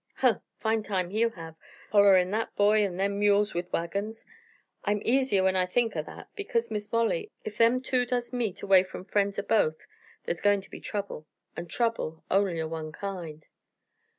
"Huh! Fine time he'll have, follerin' that boy an' them mules with wagons! I'm easier when I think o' that. Because, Miss Molly, ef them two does meet away from friends o' both, thar's goin' to be trouble, an' trouble only o' one kind."